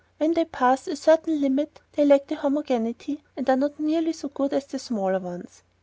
When they pass a certain limit, they lack homogeneity and are not nearly so good as the smaller ones.